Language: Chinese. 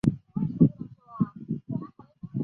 新店线之轨道已经改成汀州路及部分的罗斯福路。